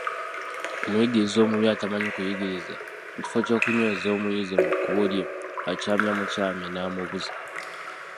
Omuyigiriza omubi atamanyi kuyigiriza, mu kifo ky'okunyweza omuyizi mu kkubo lye, akyamya mukyamye n'amubuza.